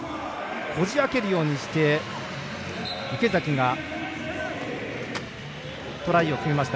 こじ開けるようにして池崎がトライを決めました。